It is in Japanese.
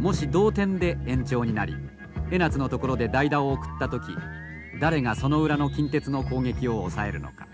もし同点で延長になり江夏のところで代打を送った時誰がその裏の近鉄の攻撃を抑えるのか。